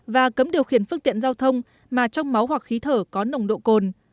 và cấm điều khiển phương tiện giao thông mà trong máu hoặc khí thở có nồng độ cồn